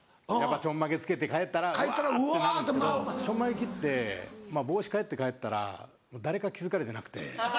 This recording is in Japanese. ちょんまげつけて帰ったらワってなるんですけどちょんまげ切って帽子変えて帰ったら誰か気付かれてなくて。